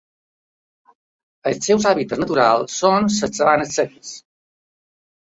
Els seus hàbitats naturals són les sabanes seques.